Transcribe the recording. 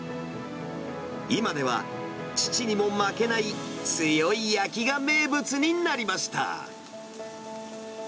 今では父にも負けない強い焼きが名物になりました。